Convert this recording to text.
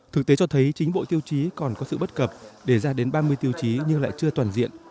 thực tế cho thấy chính bộ tiêu chí còn có sự bất cập để ra đến ba mươi tiêu chí nhưng lại chưa toàn diện